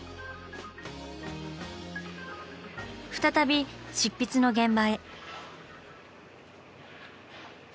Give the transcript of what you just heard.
再び執筆の現場へ。